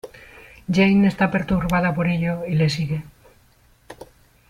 Jane está perturbada por ello y le sigue.